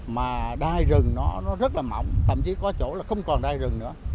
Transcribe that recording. mà đai rừng nó rất là mỏng thậm chí có chỗ là không còn đai rừng nữa